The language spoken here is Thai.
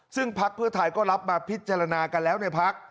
ซึ่งพักเพื่อไทยก็รับมาพิจารณากันแล้วในพัก